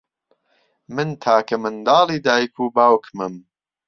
من تاکە منداڵی دایک و باوکمم.